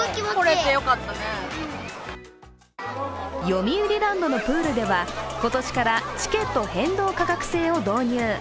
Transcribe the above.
よみうりランドのプールでは今年からチケット変動価格制を導入。